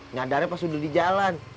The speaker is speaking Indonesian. nyadarnya pas udah di jalan